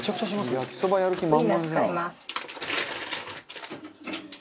「焼きそばやる気満々じゃん」